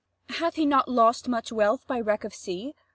Abb. Hath he not lost much wealth by wreck of sea?